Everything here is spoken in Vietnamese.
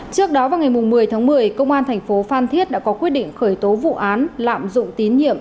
trước đó vào ngày một mươi một mươi công an tp phan thiết đã có quyết định khởi tố vụ án lạm dụng tín nhiệm